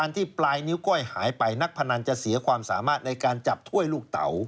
ที่ปลายนิ้วก้อยหายไปนักพนันจะเสียความสามารถในการจับถ้วยลูกเต๋า